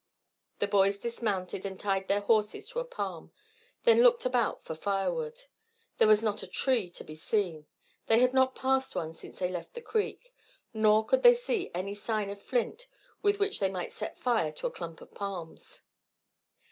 The boys dismounted and tied their horses to a palm, then looked about for firewood. There was not a tree to be seen; they had not passed one since they left the creek. Nor could they see any sign of flint with which they might set fire to a clump of palms.